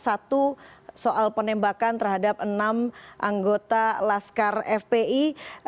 satu soal penembakan terhadap enam anggota laskar fpi